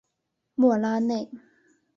莫拉内。